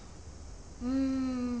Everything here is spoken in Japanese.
うん。